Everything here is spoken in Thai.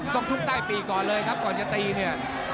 ซุกใต้ปีกก่อนเลยครับก่อนจะตีเนี่ย